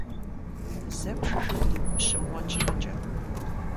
Зэ бжыжыт ущымыуэн щхьэкӀэ.